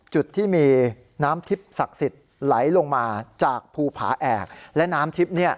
จุดที่มีน้ำทิพย์ศักดิ์สิทธิ์ไหลลงมาจากภูผาแอกและน้ำทิพย์